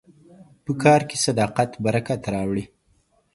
په کار کې صداقت برکت راوړي.